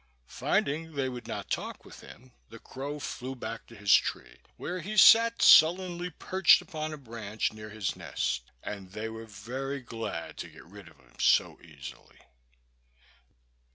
Finding they would not talk with him, the crow flew back to his tree, where he sat sullenly perched upon a branch near his nest. And they were very glad to get rid of him so easily.